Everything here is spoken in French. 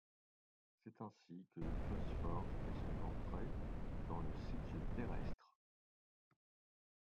C’est ainsi que le phosphore fait son entrée dans le cycle terrestre.